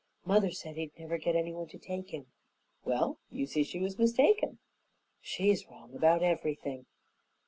"Mother said he'd never get anyone to take him." "Well, you see she was mistaken." "She's wrong about everything.